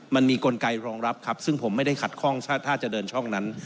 มันมีกลไกรองรับครับซึ่งผมไม่ได้ขัดข้องถ้าจะเดินช่องนั้น